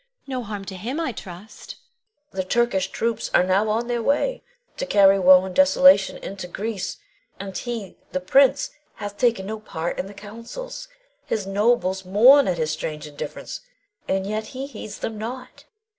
No harm to him, I trust? Queen. The Turkish troops are now on their way to carry woe and desolation into Greece, and he, the prince, hath taken no part in the councils. His nobles mourn at his strange indifference, and yet he heeds them not.